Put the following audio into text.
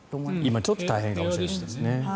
今はちょっと大変かもしれないですね。